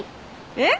えっ？